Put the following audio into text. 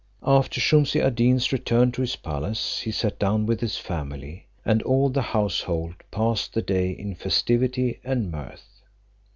After Shumse ad Deen's return to his palace, he sat down with his family, and all the household passed the day in festivity and mirth.